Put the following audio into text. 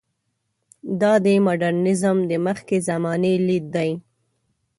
دا د مډرنیزم د مخکې زمانې لید دی.